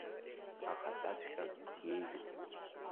Ахатәаҵәҟьа сиеиӷьуп.